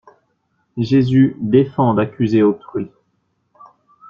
Jésus défend d'accuser autrui.